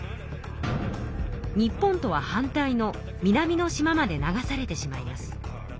日本とは反対の南の島まで流されてしまいます。